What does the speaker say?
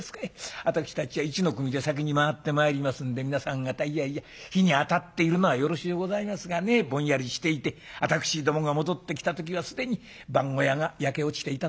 私たちは一の組で先に回ってまいりますんで皆さん方いやいや火にあたっているのはよろしゅうございますがねぼんやりしていて私どもが戻ってきた時は既に番小屋が焼け落ちていたとそういうことのないように」。